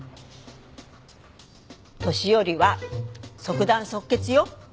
年寄りは即断即決よ！